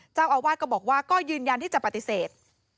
เจ้าอาวาสก็บอกว่าก็ยืนยันที่จะปฏิเสธ